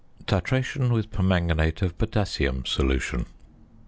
~Titration with Permanganate of Potassium Solution.